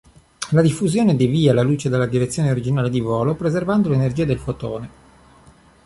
La diffusione devia la luce dalla direzione originale di volo, preservando l'energia del fotone.